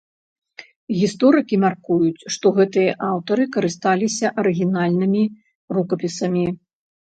Гісторыкі мяркуюць, што гэтыя аўтары карысталіся арыгінальнымі рукапісамі.